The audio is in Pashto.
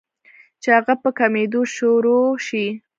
چې هغه پۀ کمېدو شورو شي